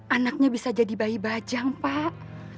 anaknya bisa jadi bayi bajang pak